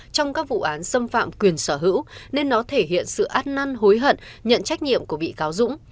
trong các vụ án xâm phạm quyền sở hữu nên nó thể hiện sự át năn hối hận nhận trách nhiệm của bị cáo dũng